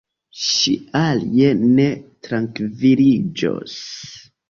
Ŝi alie ne trankviliĝos.